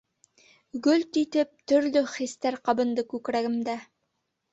Гөлт итеп төрлө хистәр ҡабынды күкрәгемдә.